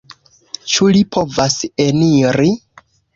Ĉu li povas eniri?